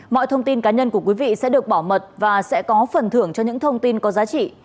mọi thông tin cá nhân của quý vị sẽ được bảo mật và sẽ có phần thưởng cho những thông tin có giá trị